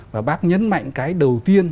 và bác nhấn mạnh cái đầu tiên